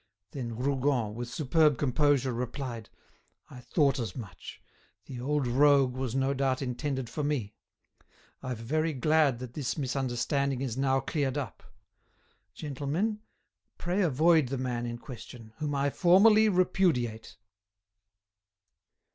Then Rougon, with superb composure, replied: "I thought as much; the 'old rogue' was no doubt intended for me. I've very glad that this misunderstanding is now cleared up. Gentlemen, pray avoid the man in question, whom I formally repudiate."